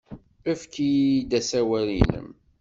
Efk-iyi-d asawal-nnem.